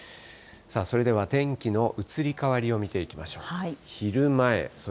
それでは天気の移り変わりを見ていきましょう。